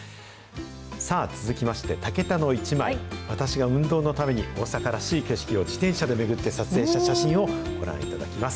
続きまして、タケタのイチマイ、私が運動のために、大阪らしい景色を自転車で巡って撮影した写真をご覧いただきます。